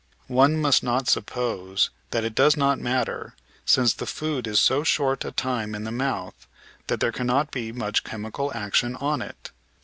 One must not suppose that it does not matter, since the food is so short a time in the mouth that there cannot be much chemical action on it.